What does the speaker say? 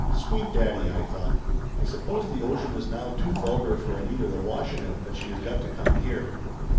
"Sweet daddy," I thought, "I suppose the ocean is now too vulgar for Anita to wash in it, that she has got to come here